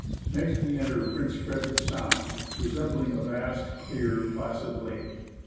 Next we enter Prince Frederick Sound, resembling a vast, clear, placid lake.